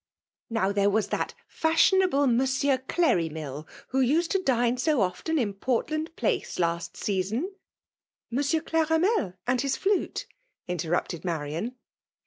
Now there was that fashion able Monsieur ClorrymiU who used to dine so often in Portland Place last season "" Monsieur Cleramel and his flute ?" inte^* rupted Marian.